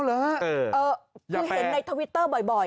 คือเห็นในทวิตเตอร์บ่อย